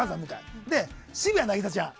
で、渋谷凪咲ちゃん。